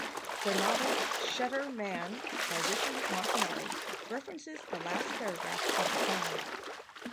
The novel "Shutter Man" by Richard Montanari references the last paragraph of the poem.